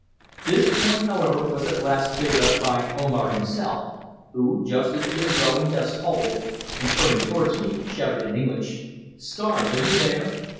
This point, however, was at last cleared up by Omar himself, who, just as it was growing dusk halted, and, turning towards me, shouted in English: "Scars, are you there?"